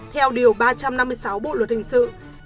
theo điều ba trăm năm mươi sáu bộ luật hình sự